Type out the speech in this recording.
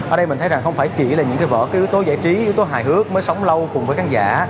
ở đây mình thấy rằng không phải chỉ là những cái vở cái yếu tố giải trí yếu tố hài hước mới sống lâu cùng với khán giả